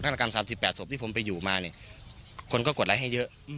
นี่กลาง๓๘สมที่ผมไปอยู่มาคนก็กดไลค์ให้เยอะ